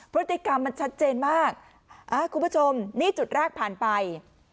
พฤติกรรมมันชัดเจนมากคุณผู้ชมนี่จุดแรกผ่านไป